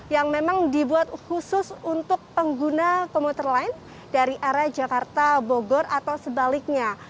yang memang dibuat khusus untuk pengguna komuter lain dari arah jakarta bogor atau sebaliknya